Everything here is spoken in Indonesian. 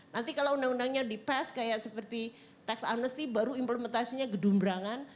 nanti kalau undang undangnya di pass kayak seperti tax honesty baru implementasinya gedum brangan